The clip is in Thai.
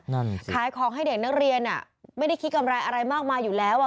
ขายของให้เด็กนักเรียนอ่ะไม่ได้คิดกำไรอะไรมากมายอยู่แล้วอ่ะ